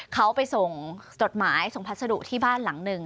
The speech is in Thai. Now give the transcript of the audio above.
เขาไปส่งจดหมายส่งพัสดุที่บ้านหลังหนึ่ง